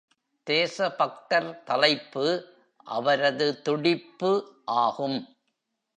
தேசபக்தர் தலைப்பு "அவரது துடிப்பு" ஆகும்.